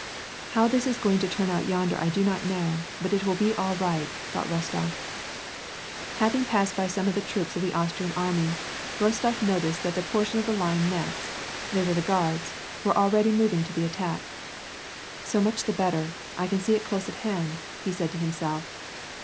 " How this is going to turn out yonder I do not know, but it will be all right !" thought Kostof. Having passed by some of the troops of the Austrian army, Bostof noticed that the portion of the Line next — they were the Guards — were already moving to the attack. " So much the better, I can see it close at hand !" he said to himself.